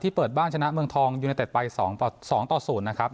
เปิดบ้านชนะเมืองทองยูเนเต็ดไป๒ต่อ๐นะครับ